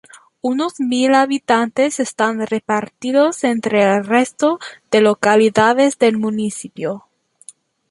Unos mil habitantes están repartidos entre el resto de localidades del municipio.